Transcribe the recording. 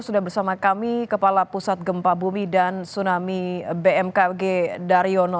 sudah bersama kami kepala pusat gempa bumi dan tsunami bmkg daryono